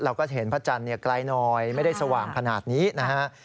ก็จะเห็นพระจันทร์ไกลหน่อยไม่ได้สว่างขนาดนี้นะฮะ